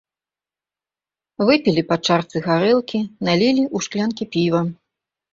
Выпілі па чарцы гарэлкі, налілі ў шклянкі піва.